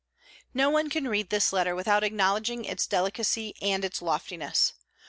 No one can read this letter without acknowledging its delicacy and its loftiness.